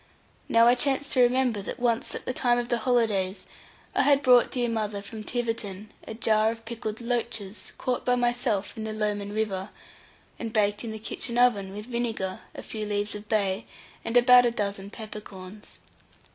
Now I chanced to remember that once at the time of the holidays I had brought dear mother from Tiverton a jar of pickled loaches, caught by myself in the Lowman river, and baked in the kitchen oven, with vinegar, a few leaves of bay, and about a dozen pepper corns.